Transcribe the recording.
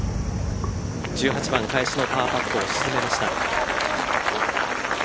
１８番返しのパーパットを沈めました。